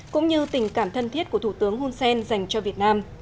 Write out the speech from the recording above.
cũng như tình cảm thân thiết của thủ tướng hun sen dành cho việt nam